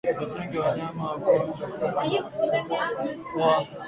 Watenge wanyama wagonjwa kutoka kwa wazima kiafya